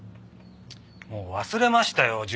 もう忘れましたよ